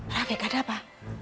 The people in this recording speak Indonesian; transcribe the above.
rafiq ada apa